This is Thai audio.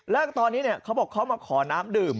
แล้วตอนนี้เขาบอกเขามาขอน้ำดื่ม